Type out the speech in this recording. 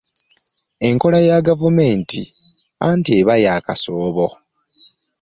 Enkola ya gavumenti anti eba ya kasoobo.